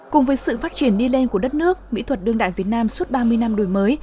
cùng với sự phát triển đi lên của đất nước mỹ thuật đương đại việt nam suốt ba mươi năm đổi mới